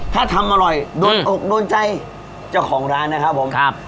ถ้าทำอร่อยโดนอกโดนใจเจ้าของร้านนะครับผมครับ